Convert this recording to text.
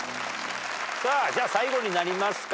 じゃあ最後になりますかね。